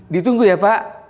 ditunggu ya pak